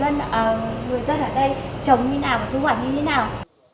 người dân ở đây chống như thế nào và thu hoài như thế nào